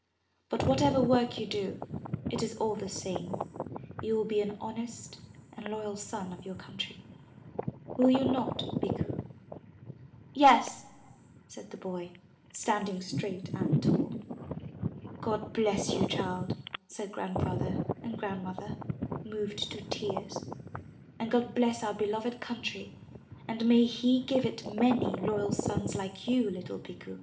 But what ever work you do, it is all the same, you will be an honest and loyal son of your country. Will you not, Bikku?' Yes,'' said the boy, standing straight and tall. 'God bless you, child,'' said Grandfather and Grand mother, moved to tears. ''And God bless our beloved country, and may He give it many loyal sons like you, little Bikku.